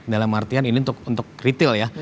dalam artian ini untuk retail ya